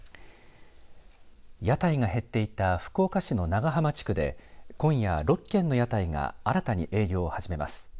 屋台が減っていた福岡市の長浜地区で今夜６軒の屋台が新たに営業を始めます。